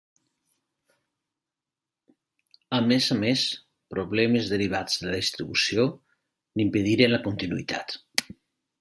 A més a més, problemes derivats de la distribució n'impediren la continuïtat.